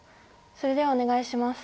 それではお願いします。